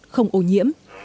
không ô nhiễm